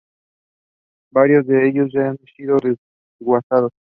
Varios de ellos ya han sido desguazados.